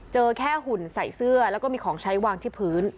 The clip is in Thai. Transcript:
เจอแค่หุ่นใส่เสื้อแล้วก็มีของใช้วางที่พื้น